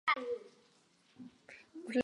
中国地质科学院地质研究所研究员。